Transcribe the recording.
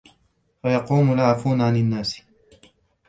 فَيَقُومُ الْعَافُونَ عَنْ النَّاسِ